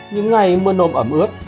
những ngày mưa nôm ẩm ướt